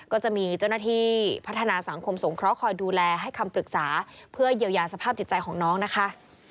ก็จะมีเจ้าหน้าที่พัฒนาสังคมสงเคราะหอยดูแลให้คำปรึกษาเพื่อเยียวยาสภาพจิตใจของน้องนะคะ